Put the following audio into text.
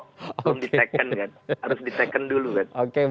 belum di second kan